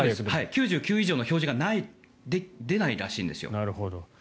９９以上の表示が出ないらしいんですよ。